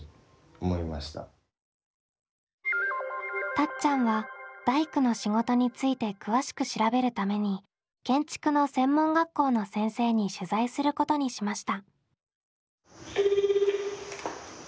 たっちゃんは大工の仕事について詳しく調べるために建築の専門学校の先生に取材することにしました。